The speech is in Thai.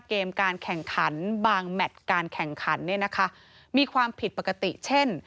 เกมการแข่งขันบางแมทการแข่งขันเนี่ยนะคะมีความผิดปกติเช่น